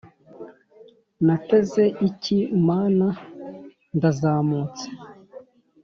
nateze icyi mana ndazamutse